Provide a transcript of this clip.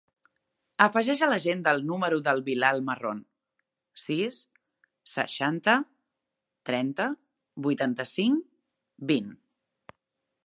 Afegeix a l'agenda el número del Bilal Marron: sis, seixanta, trenta, vuitanta-cinc, vint.